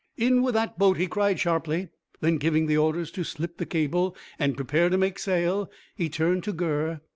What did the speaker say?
"In with that boat," he cried sharply. Then, giving the orders to slip the cable, and prepare to make sail, he turned to Gurr.